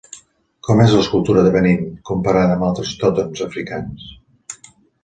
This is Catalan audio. Com és l'escultura de Benín comparada amb altres tòtems africans?